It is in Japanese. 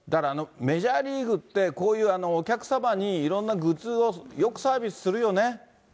メジャーリーグって、こういう、お客様にいろんなグッズをよくサービスするよね。